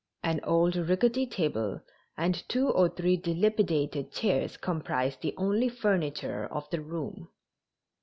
An old rickety table and two or three dilapidated chairs comprised the only furniture of the room.